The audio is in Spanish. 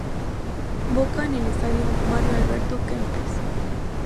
Boca en el Estadio Mario Alberto Kempes.